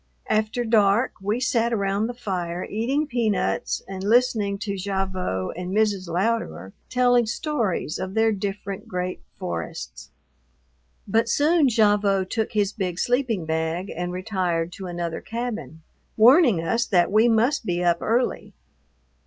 After dark we sat around the fire eating peanuts and listening to Gavotte and Mrs. Louderer telling stories of their different great forests. But soon Gavotte took his big sleeping bag and retired to another cabin, warning us that we must be up early.